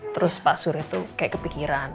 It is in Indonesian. terus pak sure itu kayak kepikiran